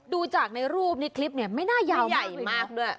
ดูจากในรูปในคลิปเนี่ยไม่น่ายาวใหญ่มากด้วย